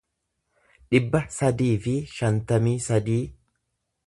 dhibba sadii fi shantamii sadii